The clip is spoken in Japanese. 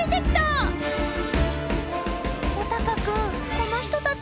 この人たちは？